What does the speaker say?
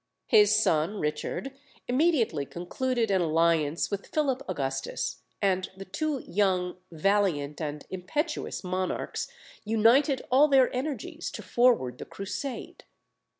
His son Richard immediately concluded an alliance with Philip Augustus; and the two young, valiant, and impetuous monarchs united all their energies to forward the Crusade.